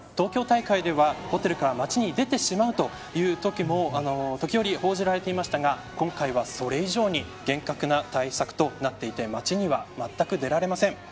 東京大会では、ホテルから街に出てしまうというときも時折、報じられていましたが今回は、それ以上に厳格な対策となっていて街には、まったく出られません。